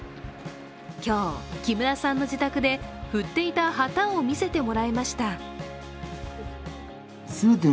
今日、木村さんの自宅で振っていた旗を見せてもらいました。